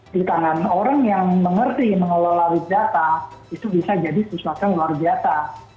di tangan orang yang mengerti mengelola big data itu bisa jadi sesuatu yang luar biasa